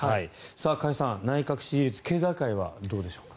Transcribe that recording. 加谷さん、内閣支持率経済界はどうでしょう。